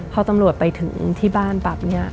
พอตำรวจไปถึงที่บ้านปรับ